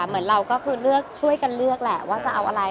เหมือนเราก็ช่วยกันเลือกแหละว่าจะเอาอะไร